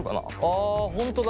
あ本当だ。